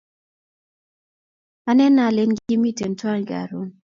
Anene ale kimiten twan karon